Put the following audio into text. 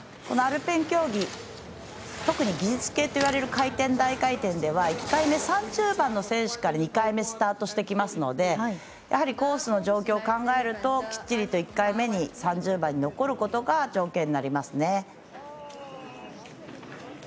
このアルペン競技特に技術系といわれる回転、大回転では１回目３０番の選手から２回目スタートしていきますのでやはりコースの状況を考えるときっちりと１回目に３０番に残ることが条件になりますね。